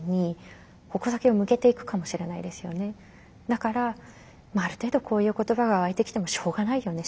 だから「ある程度こういう言葉がわいてきてもしょうがないよね。